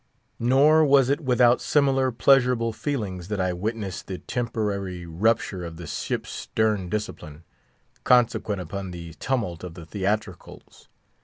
Nor was it without similar pleasurable feelings that I witnessed the temporary rupture of the ship's stern discipline, consequent upon the tumult of the theatricals.